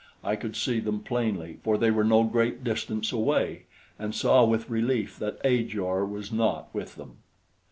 I could see them plainly, for they were no great distance away, and saw with relief that Ajor was not with them.